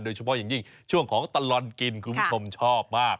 โดยเฉพาะอย่างยิ่งช่วงของตลอดกินคุณผู้ชมชอบมาก